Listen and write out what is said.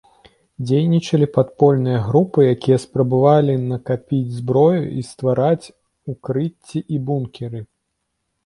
Дзейнічалі падпольныя групы, якія спрабавалі накапіць зброю і ствараць укрыцці і бункеры.